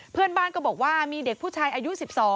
เพื่อนบ้านก็บอกว่ามีเด็กผู้ชายอายุ๑๒